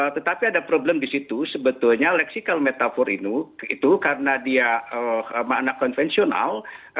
tetapi ada problem di situ sebetulnya leksikal metafor itu karena dia makna konvensional